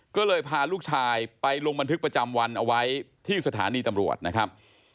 ก็เลยพาลูกชายไปลงบันทึกประจำวันเอาไว้ที่สถานีตำรวจนะครับ